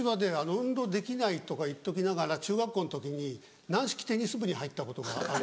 運動できないとか言っときながら中学校の時に軟式テニス部に入ったことがあるんです。